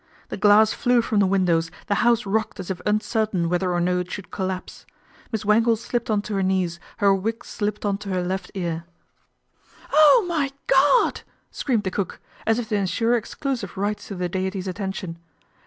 The glass flew from the windows, the house rocked as if uncertain whether or no it should collapse. Miss Wangle slipped on to her knees, her wig slipped on to her ft ear. 266 PATRICIA BRENT, SPINSTER " Oh, my God !" screamed the cook, as if to ensure exclusive rights to the Deity's attention.